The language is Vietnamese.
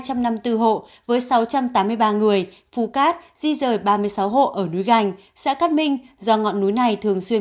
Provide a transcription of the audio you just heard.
một trăm năm mươi bốn hộ với sáu trăm tám mươi ba người phù cát di rời ba mươi sáu hộ ở núi gành xã cát minh do ngọn núi này thường xuyên